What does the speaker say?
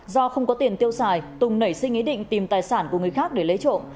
do không có tiền tiêu xài tùng nảy sinh ý định tìm tài sản của người khác để lấy trộm